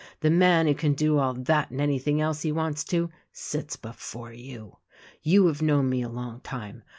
The man who can do all that and anything else he wants to — sits before you. You have known me a long time.